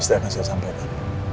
silahkan saya sampaikan